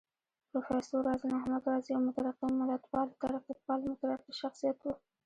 پروفېسر راز محمد راز يو مترقي ملتپال، ترقيپال مترقي شخصيت و